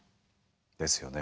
ですよね。